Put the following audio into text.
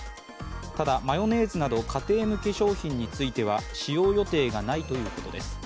ただ、マヨネーズなど家庭向け商品については使用予定がないということです。